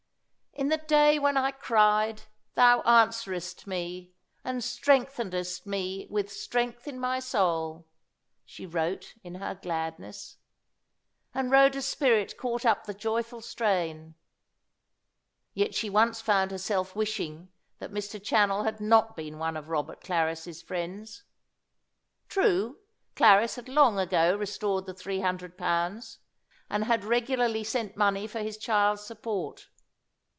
"In the day when I cried, Thou answeredst me, and strengthenedst me with strength in my soul," she wrote, in her gladness. And Rhoda's spirit caught up the joyful strain. Yet she once found herself wishing that Mr. Channell had not been one of Robert Clarris's friends. True, Clarris had long ago restored the three hundred pounds, and had regularly sent money for his child's support.